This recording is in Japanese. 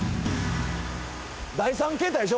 第三形態でしょ？